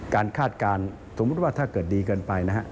คาดการณ์สมมุติว่าถ้าเกิดดีเกินไปนะฮะ